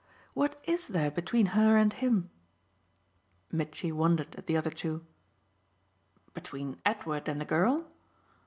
"What IS there between her and him?" Mitchy wondered at the other two. "Between Edward and the girl?"